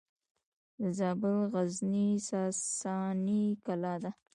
د زابل غزنیې ساساني کلا ده